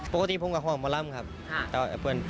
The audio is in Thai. ปกติภูมิกับข้อมูล